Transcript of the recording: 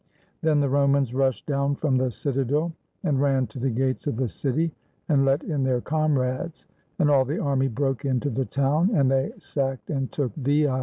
Then the Ro mans rushed down from the citadel, and ran to the gates of the city, and let in their comrades; and all the army broke into the town, and they sacked and took Veii.